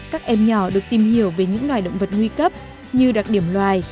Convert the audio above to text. các em nhỏ được tìm hiểu về những loài động vật nguy cấp như đặc điểm loài